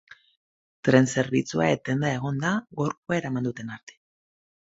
Tren zerbitzua etenda egon da gorpua eraman duten arte.